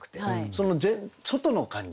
その外の感じ。